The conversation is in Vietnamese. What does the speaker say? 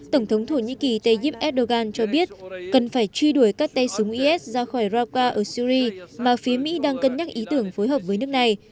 tổng thống thổ nhĩ kỳ tayyip erdogan cho biết cần phải truy đuổi các tay súng is ra khỏi ra ở syri mà phía mỹ đang cân nhắc ý tưởng phối hợp với nước này